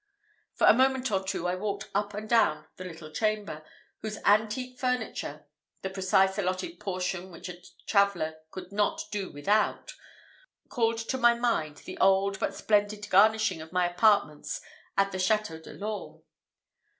For a moment or two, I walked up and down the little chamber, whose antique furniture the precise allotted portion which a traveller could not do without called to my mind the old but splendid garnishing of my apartments at the Château de l'Orme.